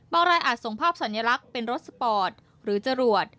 รายอาจส่งภาพสัญลักษณ์เป็นรถสปอร์ตหรือจรวด